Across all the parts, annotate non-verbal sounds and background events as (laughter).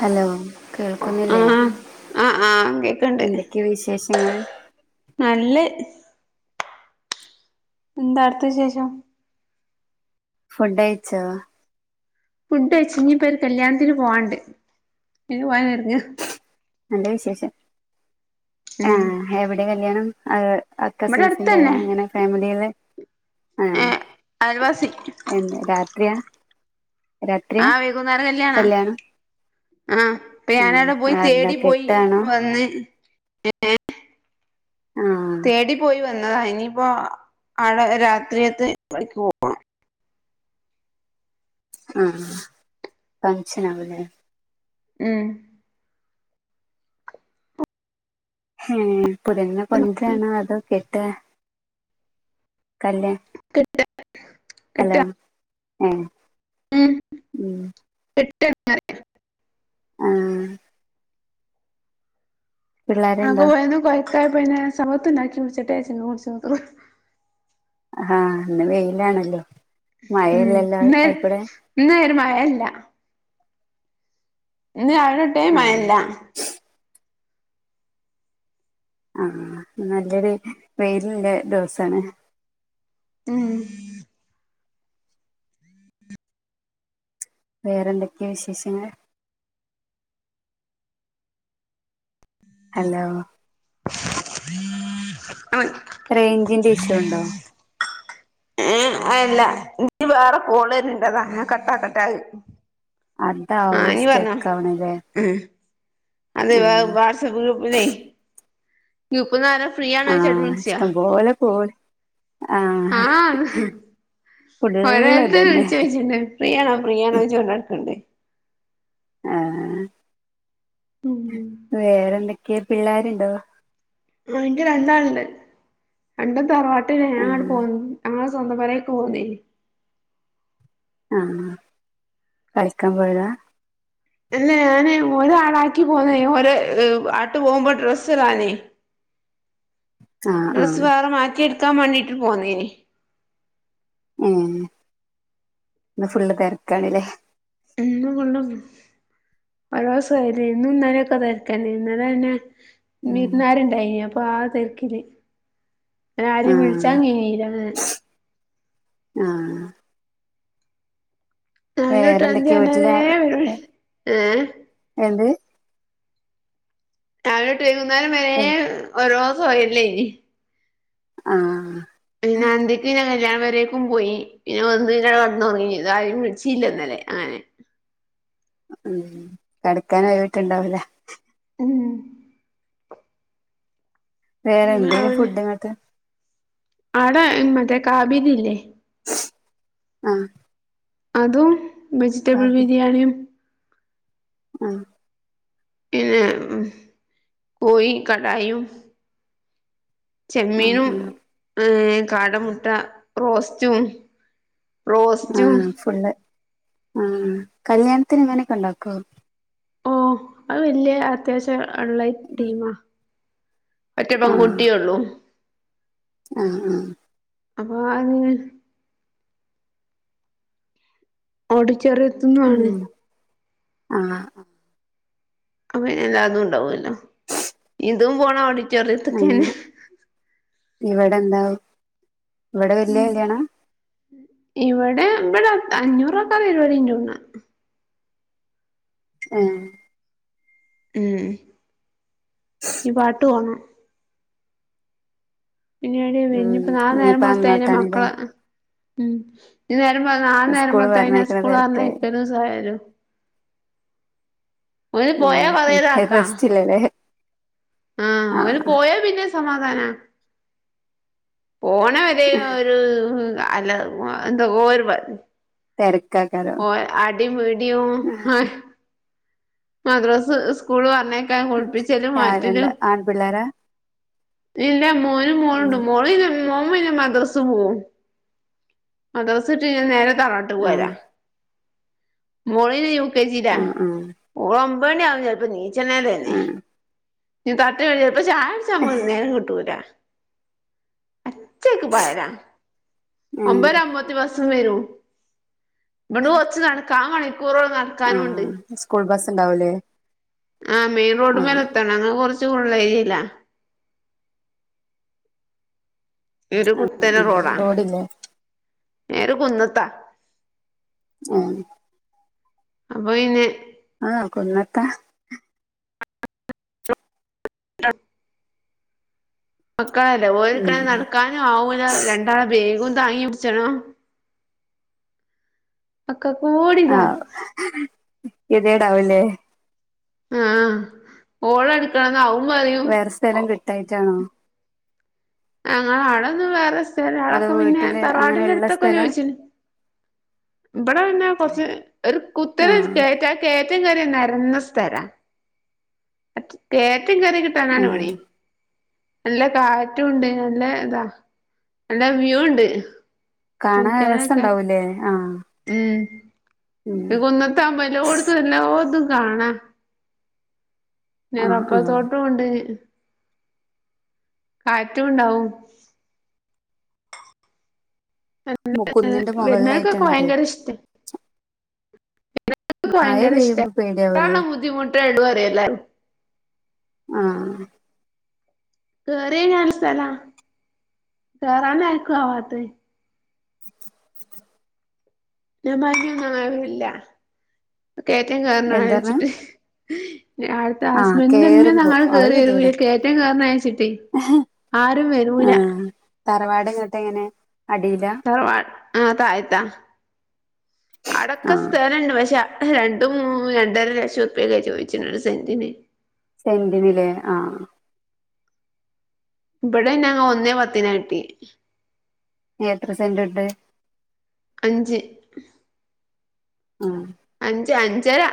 Hello കേൾക്കുന്നില്ലേ? ആഹ് ആഹ് ആഹ് കേക്ക്ണ്ട് എന്തൊക്കെയ വിശേഷങ്ങൾ? നല്ല എന്താ അവിടുത്ത വിശേഷം ഫുഡ് കയിച്ചോ? ഫുഡ് കയിച്ച് ഇനി ഇപ്പൊ ഒര് കല്യാണത്തിന് പോവാണ്ട് അയിന് പോവാൻ ഒരുങ്ങാ നല്ല വിശേഷം ആ ഹും എവിടെ കല്യാണം അ അ കസിൻസിൻ്റെ അടുത്തന്നെ എങ്ങനെ ഫാമിലിലേ ആഹ് ഏഹ് അയൽവാസി എന്ന് രാത്രിയാ? രാത്രിയാ ആഹ് വൈകുന്നേര കല്യാണാ കല്യാണം ആഹ് ഇപ്പ ആ ഞാനാവ്ടെ പോയി ആരുടെ തേടി പോയി കെട്ടാണോ വന്ന് ആ തേടിപ്പോയി വന്നതാണ് ഇനീപ്പോ അവ്ടെ രാത്രിക്കത്തെ പടി പോവും ആഹ് ഫങ്ഷനാണ്ലെ ഉം ഹും പുത്യണ്ണ്നെ കൊണ്ട്രാണോ അതോ കേട്ടാ കല്ല്യാ കെട്ട ഹലോ ഏഹ് ഉം കെട്ടാണ് ആഹ് അകെ പിള്ളേരുണ്ടോ ഒയ്ന്ന് കൊഴപ്പായപ്പൊ പിന്നെ സർബത്ത്ണ്ടാക്കി കുട്ച്ചട്ടേചാര്ച്ച്ങ്ങനെ കുടിച്ച്ക്ക്മ്പൊ ആഹ് ഇന്ന് വെയിലാണല്ലോ ഉം മഴയില്ലല്ലോ ഇന്ന് ആയിക്കൂടെ ഇന്ന് ഒര് മഴല്ല ഇന്ന് രാവിലെതൊട്ടേ ആ മയല്ല ആഹ് നല്ലൊരു വെയിലില്ലെ ദിവസാണ് ഉം വേറൊന്തൊക്കേ വിശേഷങ്ങള് ഹലോ റെയ്ഞ്ചിന്റെ ഇഷ്യുണ്ടോ? ഏഹ് അല്ല ഇൻക്ക് വേറെ കോള് വര്ന്ണ്ടതാ കട്ടാക്കട്ടത് അതാവും സ്റ്റെക്കാവണ്ലേ ഉം അത് വ വാട്സപ്പ് ഗ്രൂപ്പിലെയ് ഗ്രൂപ്പ്ന്നാരോ ഫ്രീ ആണോയ്ച്ചട്ട് വിളിച്ചാ ഓലെ കോൾ ആഹ് ഫുള്ള് ഒരോരുത്തര് ഇതന്നെ വിൾചോയ്ച്ച്ണ്ട് ഫ്രീയാണോ ഫ്രീയാണോ ചൊയ്ച്ചോണ്ടട്ക്ക്ണ് ണ്ട് ആഹ് ഉം വേറെന്തൊക്കെ പിള്ളേര്ണ്ടോ? ആഹ് ഇൻക്ക് രണ്ടാള്ണ്ട് രണ്ടും തറവാട്ടിലാ ഞാൻ ആണ്ട് ആഹ് പോ ആഹ് സ്വന്തം പെരേക്ക് പോന്നേന് ആഹ് കളിക്കാൻ പോയതാ? അല്ല ഞാന് ഒരാളാക്കി പോന്നേന് ഓര് ആട്ട് പോകുമ്പൊ ഡ്രസ്സ്ടാനെയ് ആഹ് ഡ്രസ്സ് ആഹ് വേറെ മാറ്റിട്ക്കാൻ വാണ്ടീട്ട് പോന്നേനി ഉം ഇന്ന് ഫുള്ള് തെരക്കാണ്ലേ? ഇന്ന് ഫുള്ളും ഓരൊ സൊഹെലെനി ഇന്നും ഇന്നലൊക്കെ തെരക്കെന്നെ ഇന്നലെ പിന്നെ ഉം വിര്ന്നാര്ണ്ടായ്നി അപ്പൊ ആ തെര്ക്കില് ഇന്നലാരിം ആഹ് വിളിച്ചാൻ കയ്ഞീല ആഹ് ആഹ് രാവിലെ ഒട്ട് അന്തി വേറെന്തൊക്കെയാ ആവ്ണെ വരേ വീട്ടില് വി ഏഹ് എന്ത് രാവിലൊട്ട് വൈകുന്നേരം വരേ ഓരോ സൊഅ്ല്‌ലേയ്ന് ആഹ് പി നാന്തി പിന്നെ കല്യാണ പെരേക്കും പോയി പിന്നെ വന്ന് പിന്നെ കെടന്നൊറങ്ങി. പിന്നാരിം വിളിച്ചീല്ലന്നലെ അങ്ങനെ ഉം കെടക്കാനൊഴിവ് കിട്ട്ണ്ടാവൂല. ഉം വേറെ എന്തേന് ഉം ഫുഡ് ഇങ്ങക്ക് ആടെ മറ്റേ കാബിരില്ലേ അഹ് അതും വെജിറ്റബിൾ ബിരിയാണിയും അഹ് പിന്നെ ഉം പോയി കടായു ആ ചെമ്മീനും ആ ഏഹ് കാട മുട്ട റോസ്റ്റും. റോസ്റ്റും ആഹ് ഫുള്ള് ആ കല്യാൺത്തിന് ഇങ്ങനൊക്കെ ഇണ്ടാക്കോ? ഓ അത് വല്യ അത്യാവശ്യം ഇള്ള ടീമാ ഒറ്റ പെൺകുട്ടീ ഒള്ളു ആഹ് ആഹ് ആഹ് അങ്ങ് ഓഡിറ്റോറിയത്ത്ന്നും ആണ്. ആഹ് അപ്പൊ പിന്നെ എല്ലാ ഇതു ഉണ്ടാവൊല്ലോ. ഇതും ഫോണ് (unintelligible) ഒ അങ്ങന ഇവെടെ എന്താ ഇവിടെ വെല്യ കല്യാണ? ഇവടെ ഇബെടെ അഞ്ഞൂറൊക്കെ (unintelligible) പരിവാടി ഉണ്ട് ണ. ഏഹ്. ഉം ഈ പാട്ട് പോണം പിന്നീട് ഉം പിഞ്ഞ്പ്പം നാളെ നേരം ഇനിയിപ്പ ബെൾത്ത ഇന്റെ അങ്ങോട്ടാണ്ല്ലേ മക്കളെ ഉം ഇന്നേ ർമ്പോ നാളെ സ്കൂള് നേരമ്പെൾത്താ പിന്നെ പറഞ്ഞയക്കണ സ്കൂൾ തിരക്ക് പറഞ്ഞ യ്ക്കലും സൊഹലും. ഓല് പോയാ കൊറേ ഉം ഇതാക്കാ റെസ്റ്റ്ല്ലല്ലേ ആഹ് ഓല് പോയ പിന്നെ സമാധാനാ പോണ വെരേ ഒരു അല്ല എന്ത ഓരു (unintelligible) തെരക്കാകരം ആടി പിടി (unintelligible) എഹ് മദ്രാസ് സ്കൂള് പറഞ്ഞേയ്ക്കാ കുളിപ്പിച്ചലും ആ രണ്ട് മാറ്റിലും ആൺപിള്ളേരാ പില്ല മോനും ഉം മോളുണ്ട്. മോള് (unintelligible) ന്നെ മോന് പിന്നെ മദ്രസ് പോവും. മദ്രസ് വിട്ട നേരെ തറവാട്ടു ആ പോവല മോളി ന്നെ യുകെ ജീല. ആ ആ ഓള് ഒമ്പണ്യാവും ചെൽപ്പ നീച്ചെണേ തന്നെ. ആ (unintelligible) ചായാടിച്ചൻ പോലും നേരം കിട്ടൂലാ അച്ചേക്ക് പായല ഏ ഒമ്പേര അവുമ്പതി ബസും വെരൂ. ഇബട്ന്ന് കൊറ്ച്ച് നടക്ക കാമണിക്കൂറോണ് നടക്ക ആഹ് സ്കൂൾ ബസ്സ് ഇണ്ടാവുലേ ആഹ് മെയിൻ റോഡ് മേല എത്തണം. അങ്ള് കൊറ്ച്ച് ഉള്ളെയ്ര്യേല്ല ഇരു കുത്തന ഉം റോഡാ. റോഡില്ലേ ഞാ ഒരു കുന്നത്താ. ഉം അപ്പോ പിന്നെ ആഹ് കുന്നത്ത ആഹ് മക്കളല്ലേ ഒക്കണ ഉം നടക്കാനും ആവൂല രണ്ടാളെ ബെഗം താങ്ങി പിടിച്ചണോ മക്കക്ക് കൂടിതാ ഗെതിടാവില്ലേ? ആഹ് ഓള എടുക്കണംന്ന് അവൻ പറയും വേറെ സ്ഥലം കിട്ടായിട്ടാണോ? ഞങ്ങള ആളൊന്നും വേറെ സ്ഥല അതോ പിന്നെ വീട്ടില് അങ്ങനെ തറവാടിന്റെ ഉള്ള അടുത്തൊക്കെ സ്ഥലാ ചോദിച്ചിന് ഇവിടെ വന്നാ കൊറച്ച് ഒരു കുത്തന ആ കേറ്റ ആ കയറ്റം കറിയ നിരന്ന സ്ഥലാ കേറ്റം കെറി കിട്ടന്നാണ് ഉം പണി. നല്ല കാറ്റും ഉണ്ട്. നല്ല ഇതാ നല്ല വ്യൂ ഉണ്ട്. കാണാൻ നോക്കിയാലൊക്കെ രസംണ്ടാവൂല്ലേ ആഹ് ഉം കുന്നത്ത ആവുമ്പോ എല്ലാടത്തു എല്ലാതും കാണാ. പിന്നെ ആ ആ റബർ തോട്ടം ഉണ്ട്. കാറ്റും ഉണ്ടാവും. മുക്കുന്നിന്റെ വരുന്നവർക്കൊക്കെ മുകളിലായിട്ടാണ്. അതെ (unintelligible) മഴ ഭയങ്കര ഇഷ്ടം പെയ്യുമ്പോ പേടിയാവൂലേ കേറാനുള്ള ബുദ്ധിമുട്ടാ എല്ലാവരും. ആഹ കേറിയ നല്ല സ്ഥല കേറാന് ആർക്കും ആവാത്തത് ഞാൻ (unintelligible) അതില്ല കയറ്റം കേറണത് എന്താണ് വെച്ചിട്ട് അടുത്തെ ആ ഹസ്ബൻറിന്റെമ്മേ കേറുമ്പോ താങ്ങൾ അത് കേറി ഗതികേടാ വരും കേയറ്റൻ കേയറന്ന അയച്ചിട്ടേ ആ ആരുവരുല തറവാട് എങ്ങട്ട് ഇങ്ങനെ അടിലാ ആ താഴത്താ ആ അടക്ക സ്ഥലണ്ട്. പക്ഷെ രണ്ടും മൂ രണ്ടര ലക്ഷം ഉറപ്പ്യക്കെ ചോദിച്ചിട്ടണ്ട് സെൻ്റിന്. സെന്റിനിലേ ആ ഇവിടെന്ന ഒന്നേ പത്തിനാ കിട്ടി. എത്ര സെന്റ് ഉണ്ട്. അഞ്ച്. ആഹ് അഞ്ച് അഞ്ചരാ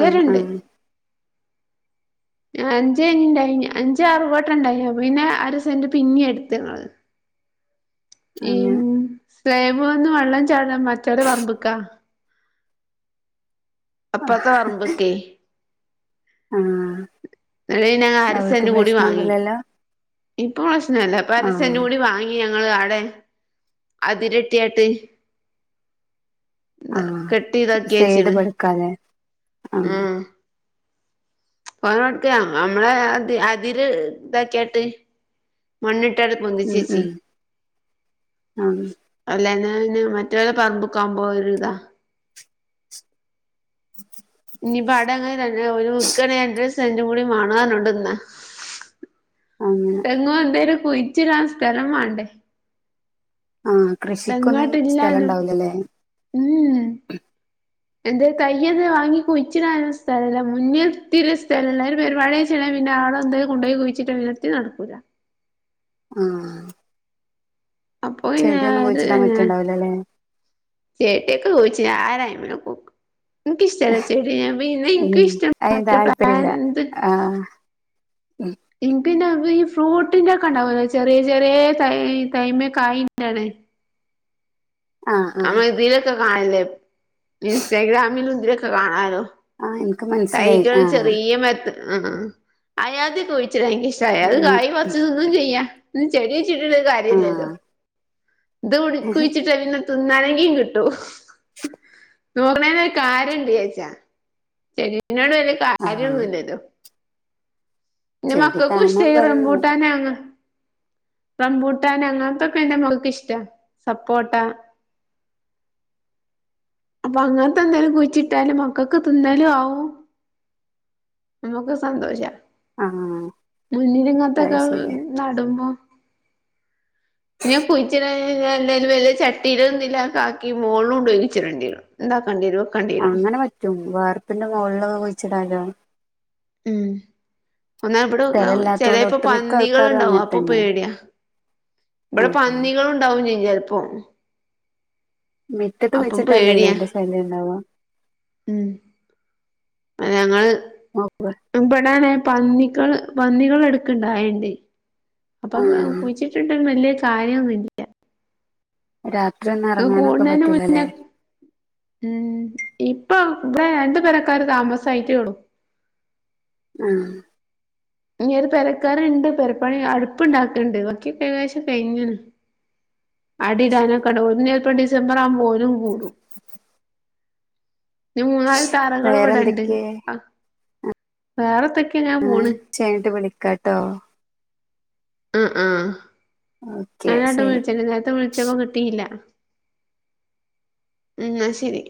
ആ ആ അഞ്ച്നിണ്ടായി അഞ്ച് അറുപോട്ട ഉണ്ടായി. പിന്നെ അര സെന്റ പിന്നീ എടുത്ത്ങ്ങള് (inaudible) അങ്ങനെ ഉം സ്ലേബ് ഒന്ന് വെള്ളം ചാടാ മറ്റവടെ പമ്പ്ക്കാ അപ്പുറത് പറമ്പുക്കെ ആഹ എന്നരം അരസെന്റ് കൂടി വാങ്ങി. ഇപ്പൊ പ്രശ്നല്ല അപ്പൊ ആ അരസെന്റ് കൂടി വാങ്ങി. ഇനി ഞങ്ങള് ആടെ അതിരിട്ടിയായിട്ട്. ആ എന്താ കെട്ട് സൈഡ് ഇതാക്കിയച്ചണ്. പടുക്കാല്ലേ ആ ആഹ ഫന കൊടുക്ക നമ്മളെ അതിര് ഇതക്കിയിട്ട് മണ്ണിട്ടടെ പൊന്തിച്ചു ഉം വെച്ചു ഉം ആ അല്ലന് മറ്റവരെ പറമ്പക്ക ആകുമ്പോ ഒരു ഇതാ (inaudible) ഇനി അടങ്ങനെ നല്ല ഒരു ഉഗ്രന് സെൻ്റു കൂടി മാണാനുണ്ട്ന്ന് ആഹ് തെങ്ങോ എന്തേലും കുഴിച്ചിടാൻ ആ സ്ഥലം വേണ്ടേ?. ആ കൃഷിക്കൊന്നും സ്ഥല തെങ്ങാട്ടില്ലാനും ഉണ്ടാവിലല്ലേ. ഉം (inaudible) എന്തെലുംതയ്യെന്നേംവാങ്ങി കുഴിച്ചിടാൻ ഒരു സ്ഥലമില്ല. മുന്നിൽ ത്തിരി സ്ഥല ള്ളത് ഒരു പരിപാടി പിന്നെ ആടന്തെങ്കിലും കൊണ്ടോയി കുഴിച്ചിട്ട് എത്തും നടക്കൂലാ. ആ അപ്പോ പിന്നെ ചെടിയൊന്നും കുഴിച്ചിടാൻ ഏഹ് പറ്റുണ്ടാവില്ലല്ലേ ചേട്ടിയൊക്കെ ചോദിച്ചു (unintelligible) എനിക്ക് ഇഷ്ടല്ല ചെടി ഞാൻ പിന്നെ എനിക്കും ഉം ഇഷ്ട അതിന് താല്പര്യമില്ല. ആ പിന്നെ ഈ ഫ്രൂട്ടിന്റെ ഒക്കെ ഉണ്ടാവലോ ചെറിയ ചെറിയ തൈ തൈമേ കായിണ്ടാവണത്. ആ ആ നമ്മ ഇതിലൊക്കെ കാണല്ലേ. ഇൻസ്റ്റാഗ്രാമിലും ഇതിലൊക്കെ കാണാലോ. ആ എനിക്ക് മനസ്സിലായി തൈകൾ ആ ചെറിയ മത്ത് ആണോഅയാദ്യ കുഴിച്ചിടാൻ ഇഷ്ട അയാത് അങ്ങനെ കായ പച്ച ചെയ്യാ ചെടിയ വെച്ചിട്ടുള്ളരു ആ കാര്യല്ലല്ലോ. ഇത് കുടി കുഴിച്ചിട്ട പിന്നെ തിന്നാനെങ്കും കിട്ടൂ. നോർണന ഒരു കാര്യംണ്ട് വെച്ചാ (unintelligible) ആ വല്യകാര്യന്നുലലോ. പിനെ ചെടി കാണാൻ മക്കക്കുഷ്ടായി ഭംഗി റമ്പുട്ടാനാന്ന്. റംമ്പൂട്ടാൻ അങ്ങത്തൊക്കെ ഇന്റെ മോൾക്കിഷ്ട സപ്പോട്ട. അപ്പൊ അങ്ങത്തെന്തേലും കുഴിച്ചിട്ടാല് മക്കൾക്ക് തിന്നലാവും. നമുക്ക് സന്തോഷാ ആ അത് മുന്നിലിങ്ങത്തൊക്കെ ശരി നടുമ്പോ. പിന്നെ കുയിച്ച് (unintelligible) എാലും വല്യ ചട്ടിലും എന്തിലും ആക്കി മോളുൽ കൊണ്ടോയിച്ചിടണ്ട്യരും. ഇണ്ടാക്കണ്ട്യരു. അങ്ങനെ പറ്റും വാർപ്പിന്റെ മോളിലൊക്കെ കുഴിച്ചിടാലോ. ഉം ഒന്നഇപ്പടെ സ്ഥലമില്ലാത്ത പോലെ ചെലേപ്പം ഒട്ടുമിക്ക ആൾക്കാരും പന്നികളുണ്ടാവും അങ്ങനെ അപ്പൊ തന്നെ പേടിയാ. ആ ഇവിടെ ആ. പന്നികളുണ്ടാവും ചെയും ചെലപ്പോ. മിറ്റത്ത് അപ്പം വെച്ചിട്ടല്ലല്ലേ പേടിയാ അയിന്റെ ശല്യണ്ടാവാ. ഉം. അഞങ്ങള്. വ. ഇപെടാണെ പന്നികള് പന്നികൾ എട്ക്കണ്ടാ വെൽണ്ട് അപ്പൊ ആ കുഴിച്ചിട്ട്ട്ട് വല്യകാര്യൊന്നുല്യ. രാത്രി ഒന്നും എറങ്ങാനൊക്കെ കൂടുന്നതിന് മുന്നേ പറ്റൂലല്ലേ. ഉം ഇപ്പൊ ഇമ്പടെ രണ്ട്‌പെരക്കാര് താമസായിട്ടേള്ളൂ. ആഹ്‌. ഇനി ഒരു പെരക്കാരിണ്ട് പെരപ്പണി അടുപ്പ്ണ്ടാക്കണ്ട് ബാക്കിയക്കെകദേശ്യം കയിഞ്ണ്. അടിടാനൊക് ട് ഓല് ചെലപ്പം ഡിസംബർ ആവുമ്പോലും കൂടും. മൂന്നാല് തറകൾ ഇവിടെണ്ട് വേറെന്തൊക്കെ ആഹ് വേറെന്തെക്കെയ ങ്ങനെ പോണ്. ചയ്ഞ്ഞിട്ട് വിളിക്കാട്ടോ. ആഹ് ആഹ് ഓക്കെ ഞാനങ്ങട്ട് ശരി വിളിച്ച നേരത്തെ വിളിച്ചപ്പോ കി. ട്ടീല്ല ന്നാശരി.